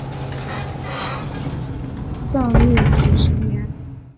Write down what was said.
藏历土蛇年。